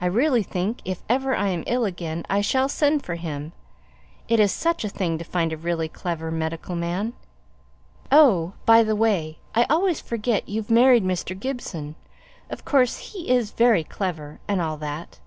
I really think if ever I am ill again I shall send for him: it is such a thing to find a really clever medical man. Oh, by the way, I always forget you've married Mr. Gibson of course he is very clever, and all that.